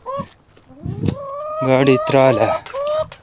گاڑی ترال اؘ۔